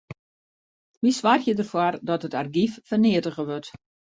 Wy soargje derfoar dat it argyf ferneatige wurdt.